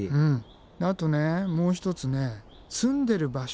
あとねもう一つ住んでる場所。